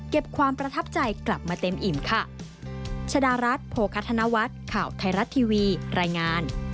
ความประทับใจกลับมาเต็มอิ่มค่ะ